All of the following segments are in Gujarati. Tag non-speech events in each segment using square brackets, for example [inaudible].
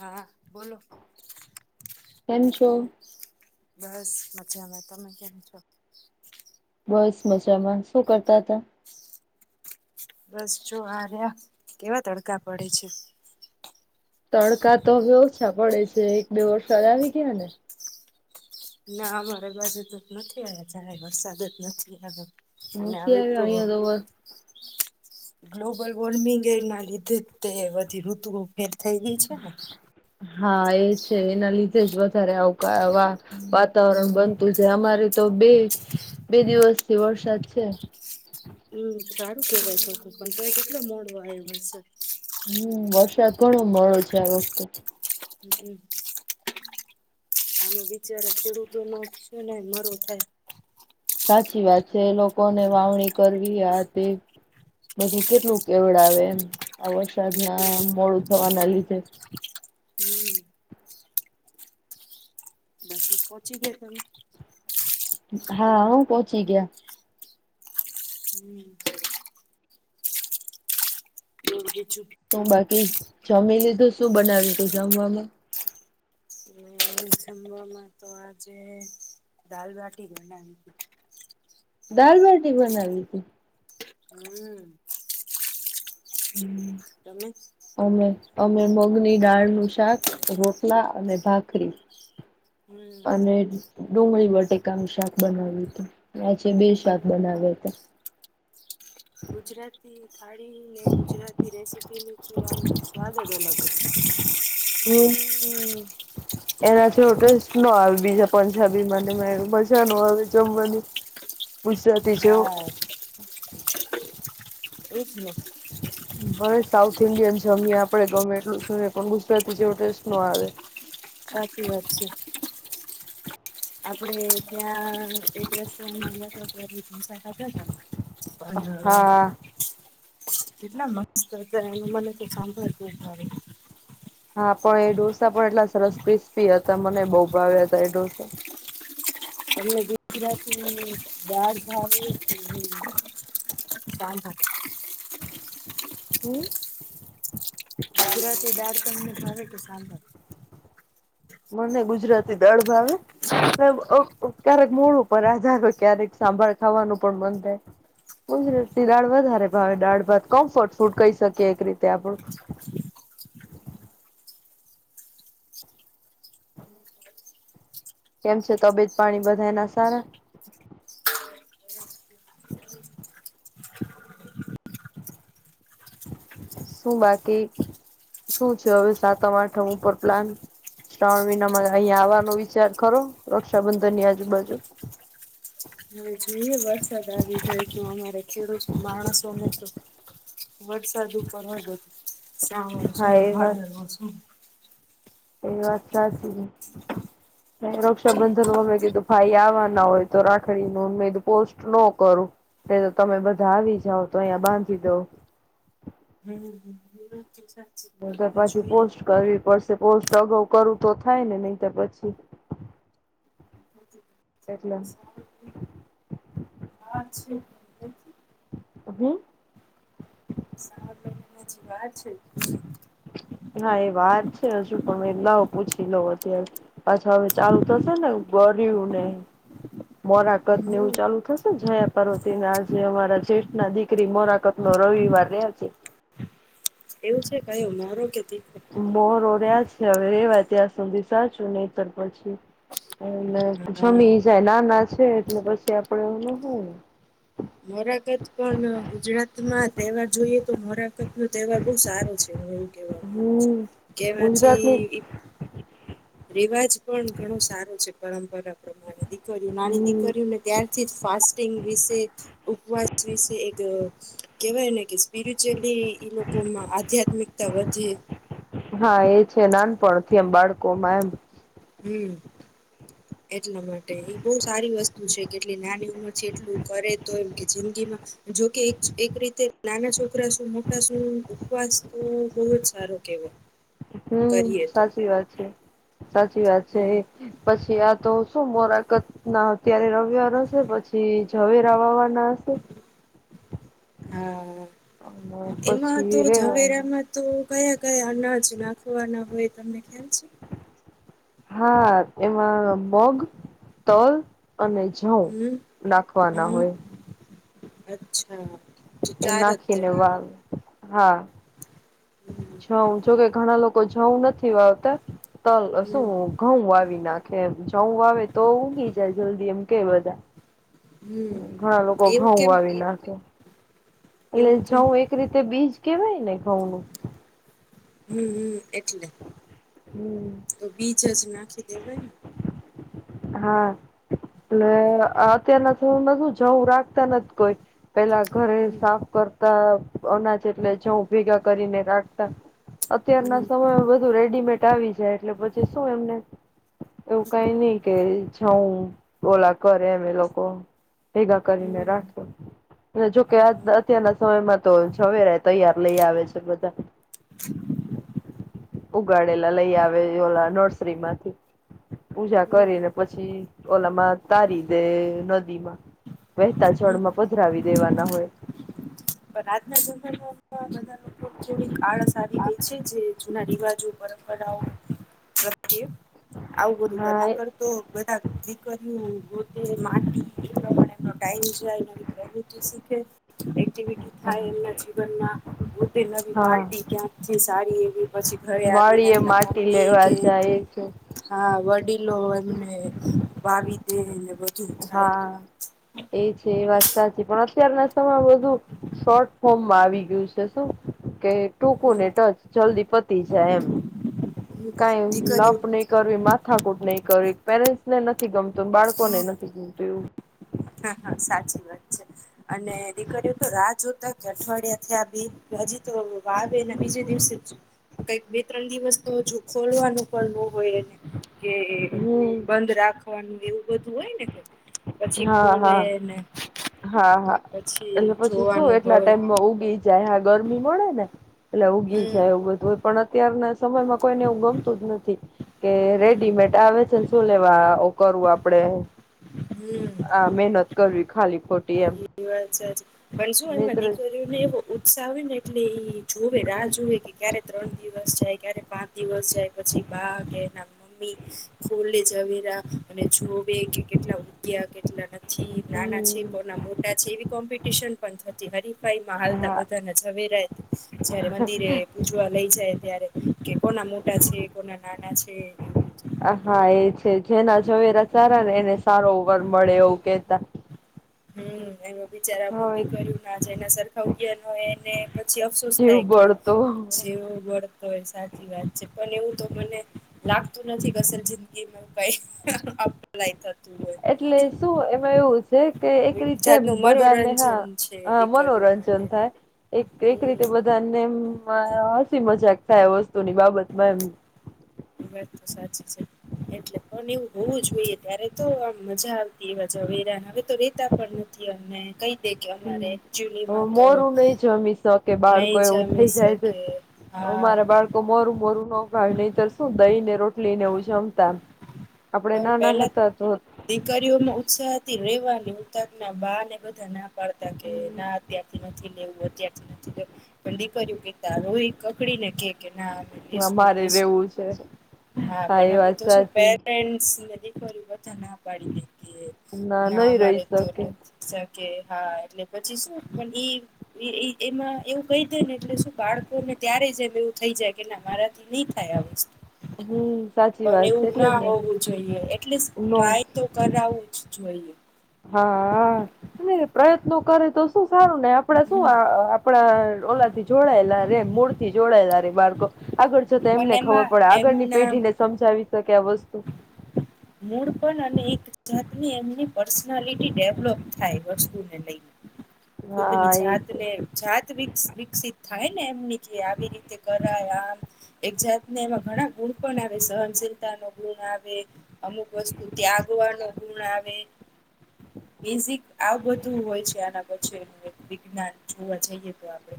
હા, બોલો કેમછો બસ મજામાં તમે કેમ છો? બસ મજામાં શું કરતા હતા બસ જો આ રહ્યા કેવા તડકા પડે છે, તડકા તો હવે ઓછા પડે છે, એક બે વરસાદ આવી ગયા ને ના અમારે પાજુ તો જ નથી આવ્યા જારે વરસાદ જ નથી આવ્યો અને નથી હવે આવ્યો તો અહીંયા વ ગ્લોબલ વોર્મિંગ એ ના લીધે તે બધી ઋતુઓ ભેર થઈ ગઈ છે ને હા, એ છે એના લીધે જ વધારે આવકારવા વાતાવરણ બનતું છે, અમારે તો બે બે દિવસથી વરસાદ છે, હમ્મ સારું કેવાય છો પણ તો એ કેટલો મોડવા આવ છે, હમ્મ વરસાદ ઘણો મળો છે, આ વખતે હમ્મ, આમે બિચારા ખેડૂતો ના જ છે ને મારો થાય, સાચી વાત છે, એ લોકોને વાવણી કરવી આ તે બધું કેટલું મોડું હમ્મ પહચી ગયા તમે હા, હો પહોંચી ગયા હમ્મ જોગ છું શું બાકી જમી લીધું શું બનાવ્યું તું જમવામાં એ જમાં તો આજે દાલબટી બનાવી હતી, દાલબટી બનાવી હતી, હમ્મ હમ્મ તમે અમે અમે મગની ડાળનું શાક રોટલા અને ભાખરી હમ અને ડુંગળી બટેકા નુ શાક બનાવ્યું હતું આજ બે શાક હમ બનાવ્યા હતા ગુજરાતી થાળી ને ગુજરાતી રેસીપી નું આમ સ્વાદ જ અલગ હોઈ [unintelligible] હમ્મ. એના જેવો ટેસ્ટ ન આવે બીજા પંજાબી મા ને એમાં મજા નો આવે જમવાની. [unintelligible] હા [unintelligible] ભલે સાઉથ ઇન્ડિયન જમીએ આપડે ગમે એટલું જોએ પણ ગુજરાતી જેવું ટેસ્ટ નો આવે. સાચી વાત છે. આપડે ત્યાંં રસ્તો માં [unintelligible] ઢોસા ખાધા તા. પણ હ. હા કેટલા મસ્ત હતા એ મને તો સાંભળતુ જ નથી. હા પણ એ ઢોસા પણ એટલા સરસ ક્રિસ્પી હતા મને બહુ ભાવ્યા હતા એ ઢોસા. તમને ગુજરાતી દાળ ભાવે કે હું. ચાલ ભા. હમ. ગુજરાતી દાળ તમને ભાવે કે સાંભર. મને ગુજરાતી દાળ ભાવે. ક્યારેક મૂડ ઉપર આધાર હોય ક્યારેક સાંભળ ખાવાનું પણ મન થાય. ગુજરાતી દાળ વધારે ભાવે દાળ ભાત કમ્ફર્ટ ફૂડ કહી શકીએ એક રીતે આપડું. કેમ છે તબિયત પાણી બધાય ના સારા. શું બાકી શું છે હવે સાતમ આઠમ ઉપર પ્લાન. શ્રાવણ મહિનામાં અહીયા આવવાનો વિચાર ખરો રક્ષાબંધન ની આજુબાજુ. હવે જોઈએ વરસાદ આવી જાય તો અમારે ખેડૂત માણસોને તો. વરસાદ ઉપર વાગત શ હા શું એ વાત ભાદરવો શું. એ વાત સાચી. રક્ષાબંધનમાં મે કીધું ભાઈ આવવાના હોય તો રાખડીનું મેં કીધું પોસ્ટ ન કરું. તો તમે બધા આવી જાવ તો અહીયા બાંધી દવ. હમ. જી સર. નહીંતર પછી પોસ્ટ કરવી પડશે પોસ્ટ અગાઉ કરું તો થાય ને નહીતર પછી. એટલે [unintelligible] હ છે. હું. [unintelligible] હા એ વાત છે હજુ પણ લાવો પૂછી લઉ અત્યારે. પાછા હવે ચાલુ થશે ને ગર્યું ને મોરાકતને એવું હમ ચાલુ થશે. જયા પાર્વતીને આજે અમારા જેઠ ના દીકરી મોરાકાત નો રવિવાર રહ્યા છે. એવું છે કઈ મોરુ કે તીખું. બરો રહ્યા છે હવે રેવા ત્યાં સુધી સાચું નહીતર પછી. અને હા. જમી જાય નાના છે એટલે પછી આપડે એવુ નો હોય ને. મોરાકાત પણ ગુજરાતમાં તહેવાર જોઈએ તો મોરાકત નો તહેવાર બહુ સારો છે. કેવા માંગ છું હમ ગુજરાતની કેમાંછી. રિવાજ પણ ઘણો સારો છે પરંપરા પ્રમાણે દીકરીઓ નાની હમ દીકરીઓને. ત્યારથી જ ફાસ્ટિંગ વિશે ઉપવાસ વિશે એક. કેવાય ને કે સ્પિરિચ્યુલી ઈ લોકોમાં આધ્યાત્મિકતા વધે. હા એ છે નાનપણથી એમ બાળકો માં એમ. હમ્મ. એટલા માટે એ બહુ સારી વસ્તુ છે કે એટલી નાની ઉંમર છે એટલું કરે તો એમ કે જિંદગીમાં. જોકે એક એક રીતે નાના છોકરા શું મોટા શું ઉપવાસ તો બહુ જ સારો કેવાય. હમ્મ સાચી વાત છે, સાચી વાત છે હમ એ. પછી આ તો શું મોરાકતના અત્યારે રવિવાર હશે પછી ઝવેરા વાવાના. હશે હા, અને એમાં તો પછી રેવાનું ઝવેરામાં. તો કયા કયા અનાજ નાખવાના હોય તમને ખ્યાલ છે? હા એમાં મગ, તલ. અને જઉં હમ નાખવાના હમ હોય. અચ્છા, એ ચારત. નાખીને વાવે હા હમ. જઉં જોકે ઘણા લોકો જઉં નથી વાવતા, તલ હમ શું ઘઉ આવી નાખે એમ જઉ આવે તો ઉઊગી જાય જલ્દી એમ કે બધા. હમ ઘણા લોકો એવું ઘઉં કેમ આવી નાખે. એટલે એવું તો જઉં એક રીતે બીજ કેહેવાય ને ઘઉં નું. હમ હમ એટલે, હમ તો બીજ જ નાખી દેવાયને. હા, અને અત્યારના શું જવું રાખતા નથી કોઈ. પેલા ઘરે હમ સાફ કરતા અનાજ. એટલે જઉ ભેગા કરીને રાખતા, અત્યારના હમ સમય બુ રેડીમેડ બતાવી જાય એટલે પછી શું એમને, એવું કઈ નહી. કે જઉ બોલા કરે અમે લોકો. ભેગા કરીને હમ રાખો. જોકે અ અત્યારના સમયમાં તો જઉ એ તૈયાર લઈ આવે છે બધા. હમ [inaudible] ઉગાડેલા લઈ આવે ઓલા નર્સરી માંથી, પૂજા પણ કરીને પછી ઓલામાં તારી દે નદીમાં. વહેતા જળમાં પધરાવી દેવાના હોય. પણ આજના જમાના બધા લોકો થોડી આળસ આવી ગઈ છે જે જૂના રિવાજો. પરંપરાઓ તમે કયો બધું ઘર ના હા કર. તો બધા દીકરીઓ ગોતીન માનવી પડે તો ટાઈમ જાય ને. ઓ બી ટી સી કે એક તો એબી થાય એમના જીવન પોતે નવી હા માટી ક્યાંક થી સારી એવી પછી. ઘરે આવીને વાળી એ એમના માટી મમ્મી લેવા કે જાય છે હા વડીલો એમને વાવી દેને બધું. થાય હા, એ છે એ વાત સાચી પણ અત્યારના સમય બધું શોર્ટ ફોર્મમાં આવી ગયું છે શું કે ટૂંક ને ટચ જલ્દી પતી જાય એમ, કાઈ લપ દીકરીઓ નહી. આવી માથાકૂટ નહી કરવી પેરેન્ટ્સ ને નથી ગમતું બાળકોને નથી ગમતું એ. હા હા સાચી વાત છે. અને દીકરીઓ તો રા જોતા કે અઠવાડિયા થયા આ દી નજીક તો વાવે એના બીજે દિવસે જ કંઈક બે ત્રણ દિવસ તો હજુ ખોલવાનું પણ ન હોય એને. કે એ એવું બંધ રાખવાનું એવું બધું હોય ને, કઈ હમ પછી હા હા, ખોલે ને હા હા પછી એટલે પછી શું જોવાનું એટલા હોય ટાઈમ માં ઉગી જારે આ ગરમી મળે ને, એટલે ઉઊગી હમ જાયગધ હોય પણ અત્યારના સમયમાં કોઈને એવું ગમતું જ નથી, કે હમ રેડીમેડ આવે છેન. શું લેવા ઓ કરું આપડે. હમ. આ મહેનત કરવી ખાલી ખોટી એમ. એ વાત સાચી પણ હાલ માં મિત્રો દીકરીઓ ને એવો ઉત્સાહ આવે ને એટલે એ જોવે રાહ જોવે કે ક્યારે ત્રણ દિવસ જાય, ક્યારેક પાંચ દિવસ જાય પછી બા આવે એના. ઇજ, ખોલે જવેરા અને જોવે કે કેટલા ઉત્યા કેટલા પછી નાના છે હમ કોના મોટા છે એ કોમ્પિટીશન પણ થતી. હરીફાઈ માં હાલતા હા બધાના જ વેરાય જયારે મંદિરે પૂજવા લઈ જાય ત્યારે. કે કોના મોટા છે કોના નાના છે. બધું હા એ છે જેના ઝવેરા સારા ને એને સારો વર મળે એવું કેતા. હમ એનું બિચારા હવે મૂકી કર્યું ના જે એના સરખા ઉગયા ન હોય એને પછી અફસોસ જીવ થાય કે બળતો છે વું બળ-' હવે સાચી વાત છે પણ એવું તો મને લાગતું નથી કે અસલ જિંદગીમાં કે ભાઈ અપલાઇ કરવું. એટલે શું એમાં એવું છે, કે એક રીતે જાતનું બધાને હા મનોરંજન છે આ દીકરીઓ મનોરંજન માટેનું થાય એક એક હમ રીતે બ અને મ માં અ હસી મજાક થાય એ વસ્તુની બાબતમાં એમ. વાત તો સાચી છે. એટલે પણ એવું હોવું જોઈએ ત્યારે તો આમ મજા આવતી એવા જવેરા હવે તો રેતા પણ નથી અમે કઈ દેખ હમ્મ હવે મોરું નહી જમી શક કે. નહી બાળકો એવું જમી થઈ જાય છે. શકે હા અમારે બાળ બાળકો મોરું મોરુ નો ભાવ નહી તો શું દહી ને રોટલી ને હા એવું જમતા. આપણેે પણ નાના પેલા હતા તો દીકરીઓમાં ઉત્સાહથી રહેવાની ઉતારના બા ને બધા ના પડતા કે હમ ના અત્યારથી નથી લેવું અત્યારથી પણ દીકરિયુ કે તા રોઈ ને કકડીને કે કે ના અમે લેશું તો અમારે લેશું. રેવું છે હા પણ એ હવે વાત તો શું સાચી પેરેન્ટ્સ ને દિકરીયુ બધા ના પાડી દેતી હેં. ના નહી રહી અમારે તો શકે નથી શકે હા એટલે પછી શું પણ ઈ એ ઈ એમાં એવું કઈ દે ને એટલે શું બાળકોને ત્યારે જ એમ એવું થઈ જાય કે ના મારા નહી થાય આ વસ્તુ. હમ્મ સાચી પણ વાત છે એવું એટલે ના ને જ. હોવું જોઈએ એટલિસ ટ્રાય તો કરાવું જ જોઈએ. હા ને એ પ્રયત્નો કરે તો શું સારું ને આપડે શું આ અ આપણા ઓલાથી જોડાયેલા રે મૂળથી જોડાયેલા રે બાળકો. આગળ જતા પણ એમને ખબર એમાં પડે આગળની એમના પેઢીને સમજાવી શકે આ વસ્તુ. મૂળ પણ અને એક જાતની એમની પર્સનાલિટી ડેવલોપ થાય વસ્તુને લઈને. [inaudible] ખુદની એ છે જાતને જાત વિક વિકસિત થાય ને એમની આવી રીતે કરાય આમ એક જાતને એમાં ઘણા ગુણ પણ આવે સહનશીલતા નો ગુણ આવે અમુક વસ્તુ ત્યાગવાનો ગુણ આવે. બેઝિક આ બધું હોય છે આના પછીનું વક્તિ જ્ઞાન જોવા જઈએ તો આપડે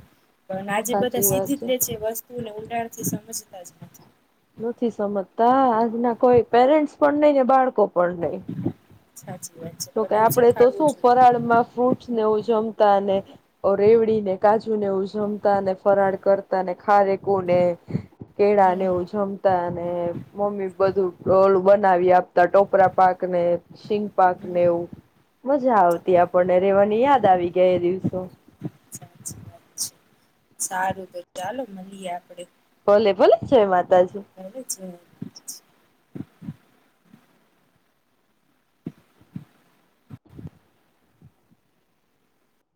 પણ આજે બધા સાચી વાત સીધી જ લે છે વસ્તુ કુલે ઊંડાણથી સમજતા જ નથી. નથી સમજતા આજના કોઈ પેરેન્ટ્સ પણ નઈ ને બાળકો પણ નઈ. સાચી વાત છે. જોકે પણ એવું આપડે તો શીખાડવું શું જોઈએ ફરાળમાં ફ્રૂટ સ્નેવ જમતા અને અ રેવડી ને કાજુ ને એવું જમતા ને. ફરાળ કરતા ને ખારેકુને કેળા ને હમ એવુ જમ જમતા અને મમ્મી બધું ઓલુ બનાવી આપતા ટોપરા પાક ને શિંગ પાક ને હમ એવું મજા આવતી આપણને રેવાની યાદ આવી ગયા એ દિવસો. સાચી વાત સારું તો ચાલો મળીએ આપડે. ભલે ભલે જય માતાજી. ગમે છે.